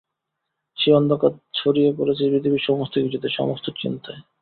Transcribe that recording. সেই অন্ধকার ছড়িয়ে পড়েছে পৃথিবীর সমস্ত কিছুতে, সমস্ত চিন্তায়।